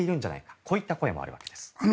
こういう声もあるわけです。